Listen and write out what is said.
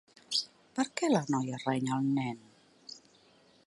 Per què la noia renya el nen?